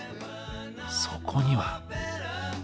そこには。